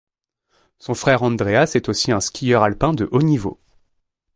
Son frère Andreas est aussi un skieur alpin de haut niveau.